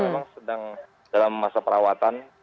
memang sedang dalam masa perawatan